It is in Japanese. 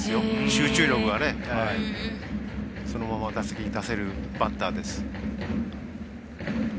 集中力がそのまま打席に出せるバッターです。